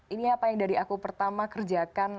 ini apa yang dari aku pertama kerjakan